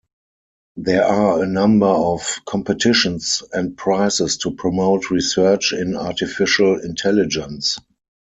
There are a number of competitions and prizes to promote research in artificial intelligence.